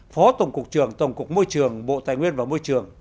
phó tổng cục trường tổng cục môi trường bộ tài nguyên và môi trường